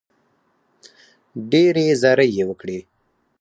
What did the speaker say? ډېرې زارۍ یې وکړې.